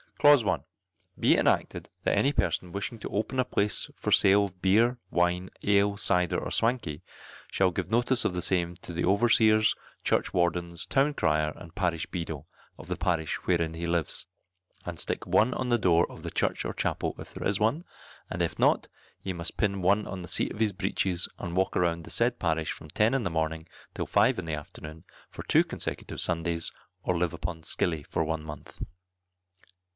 Clause 1. Be it enacted, that any person wishing to open a place for the sale of beer, wine, ale, cider, or swankey, shall give notice of the same to the overseers, churchwardens, town crier, and parish beadle, of the parish wherein he lives, and stick one on the door of the church or chapel, if there is one, and if not, he must pin one on the seat of his breeches, and walk round the said parish from ten in the morning till five in the afternoon, for two consecutive Sundays, or live upon skilly for one month.